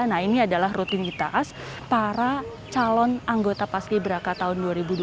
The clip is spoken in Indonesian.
nah ini adalah rutinitas para calon anggota paski beraka tahun dua ribu dua puluh